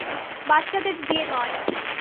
বাচ্চাদের দিয়ে নয়।